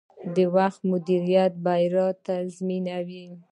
د وخت مدیریت بریا تضمینوي.